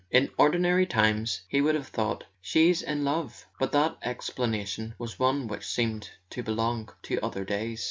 In ordinary times he would have thought: "She's in love " but that explanation was one which seemed to belong to other days.